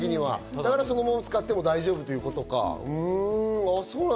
だからそのものを使っても大丈夫だということかな？